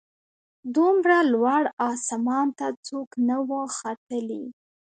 دومره لوړ اسمان ته څوک نه وه ختلي